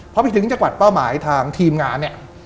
พอพี่ถึงจะกวัดเป้าหมายทางทีมงาน